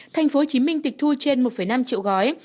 thành phố hồ chí minh tịch thu trên một năm triệu gói